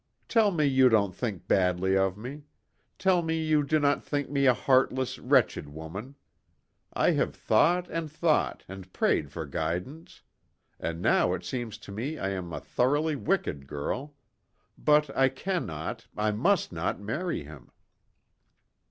"Tell me you don't think badly of me. Tell me you do not think me a heartless, wretched woman. I have thought and thought, and prayed for guidance. And now it seems to me I am a thoroughly wicked girl. But I cannot I must not marry him."